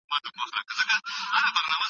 ستا په تندي کې د ستړیا نښې ښکاري.